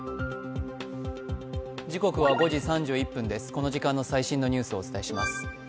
この時間の最新のニュースをお伝えします。